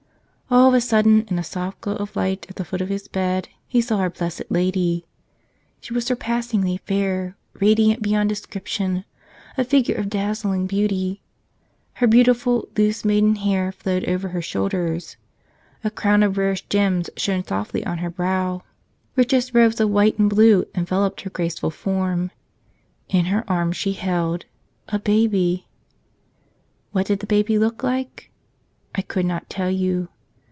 All of a sudden, in a soft glow of light at the foot of his bed, he saw our Blessed Lady. She 104 The Crown of Life Everlasting was surpassingly fair, radiant beyond description, a figure of dazzling beauty. Her beautiful, loose maiden hair flowed over her shoulders. A crown of rarest gems shone softly on her brow. Richest robes of white and blue enveloped her graceful form. In her arms she held — a Baby. What did the Babe look like? I could not tell you.